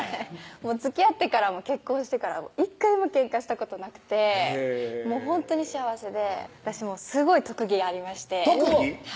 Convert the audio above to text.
つきあってからも結婚してからも１回もけんかしたことなくてもうほんとに幸せで私すごい特技ありまして特技？